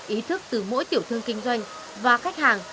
ý thức từ mỗi tiểu thương kinh doanh và khách hàng